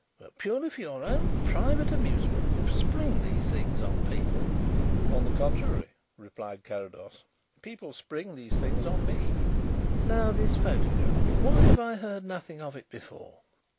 But purely for your own private amusement you spring these things on people." "On the contrary," replied Carrados, "people spring these things on me." "Now this photograph. Why have I heard nothing of it before?"